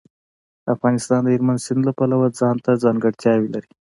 افغانستان د هلمند سیند له پلوه ځانته ځانګړتیاوې لري.